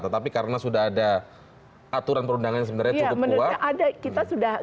tetapi karena sudah ada aturan perundangan yang sebenarnya cukup kuat